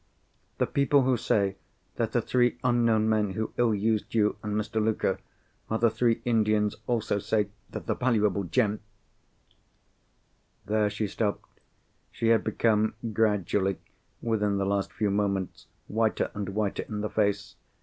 "The people who say that the three unknown men who ill used you and Mr. Luker are the three Indians, also say that the valuable gem——" There she stopped. She had become gradually, within the last few moments, whiter and whiter in the face.